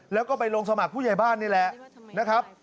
แล้วก็ไปลงสมัครผู้ใหญ่บ้านนี่แหละนะครับ